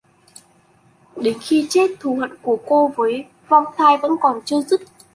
Đến khi chết Thù Hận của cô với vong thai vẫn còn chưa dứt